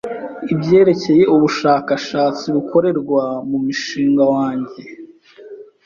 ibyerekeye ubushakashatsi bukorerwa mu mushinga wanjye